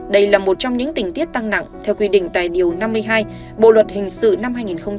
đây là một trong những tình tiết tăng nặng theo quy định tại điều năm mươi hai bộ luật hình sự năm hai nghìn một mươi năm